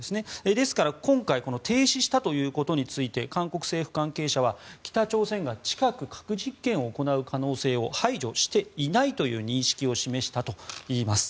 ですから、今回停止したということについて韓国政府関係者は、北朝鮮が近く核実験を行う可能性を排除していないという認識を示したといいます。